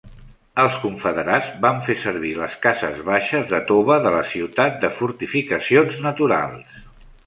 Els confederats van fer servir les cases baixes de tova de la ciutat de fortificacions naturals.